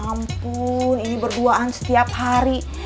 ampun ini berduaan setiap hari